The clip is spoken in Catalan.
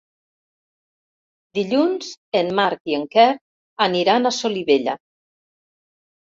Dilluns en Marc i en Quer aniran a Solivella.